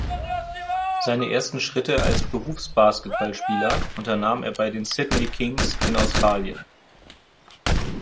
Seine ersten Schritte als Berufsbasketballspieler unternahm er bei den Sydney Kings in Australien.